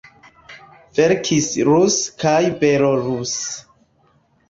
Verkis ruse kaj beloruse.